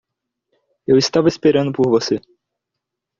Eu estava esperando por você.